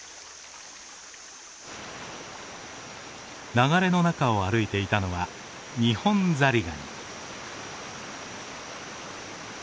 流れの中を歩いていたのはニホンザリガニ。